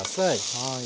はい。